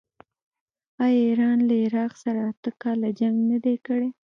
آیا ایران له عراق سره اته کاله جنګ نه دی کړی؟